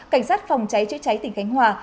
cảnh sát phòng cháy chữa cháy tỉnh khánh hòa